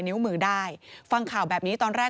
นิ้วมือได้ฟังข่าวแบบนี้ตอนแรก